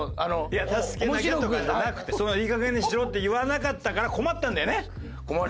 いや助けなきゃとかじゃなくて「いいかげんにしろ」って言わなかったから困ったんだよね？